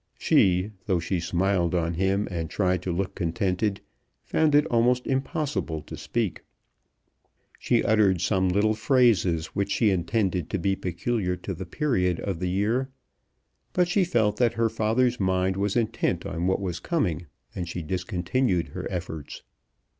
She, though she smiled on him and tried to look contented, found it almost impossible to speak. She uttered some little phrases which she intended to be peculiar to the period of the year; but she felt that her father's mind was intent on what was coming, and she discontinued her efforts.